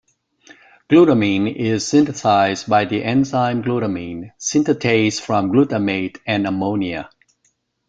Glutamine is synthesized by the enzyme glutamine synthetase from glutamate and ammonia.